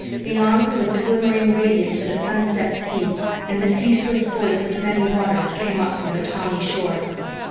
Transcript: Beyond was the glimmering radiance of a sunset sea, and the ceaseless voice of many waters came up from the tawny shore.